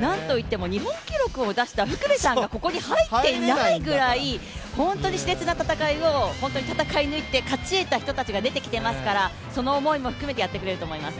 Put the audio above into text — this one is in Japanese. なんといっても、日本記録を出した福部さんがここに入っていないぐらい本当にしれつな戦いを勝ち得た人たちがその思いも含めて、やってくれると思います。